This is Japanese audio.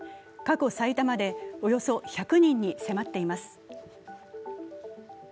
過去最多までおよそ１００人に迫っています。